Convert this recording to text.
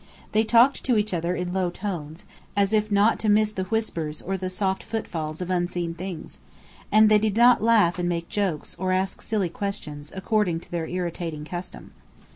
They talked to each other in low tones, as if not to miss the whispers or the soft footfalls of unseen things; and they did not laugh and make jokes, or ask silly questions, according to their irritating custom.